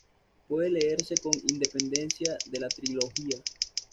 Puede leerse con independencia de la trilogía.